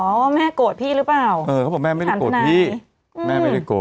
ว่าแม่โกรธพี่หรือเปล่าเออเขาบอกแม่ไม่ได้โกรธพี่แม่ไม่ได้โกรธ